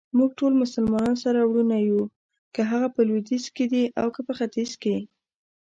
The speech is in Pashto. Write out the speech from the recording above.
موږټول مسلمانان سره وروڼه يو ،که هغه په لويديځ کې دي اوکه په ختیځ.